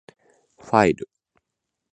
ファイル